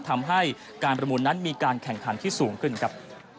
ทำให้การประมูลนั้นมีการแข่งขันที่สูงขึ้นครับ